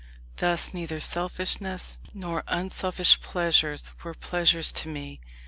Thus neither selfish nor unselfish pleasures were pleasures to me.